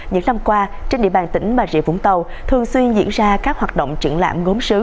những năm qua trên địa bàn tỉnh bà rịa vũng tàu thường xuyên diễn ra các hoạt động trưởng lãm gốm xứ